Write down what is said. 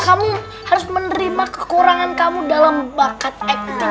kamu harus menerima kekurangan kamu dalam bakat ekt